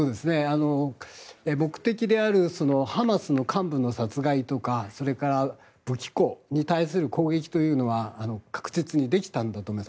目的であるハマスの幹部の殺害とかそれから武器庫に対する攻撃というのは確実にできたんだと思います。